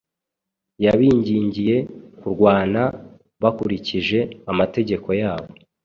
yabingingiye kurwana bakurikije amategeko yabo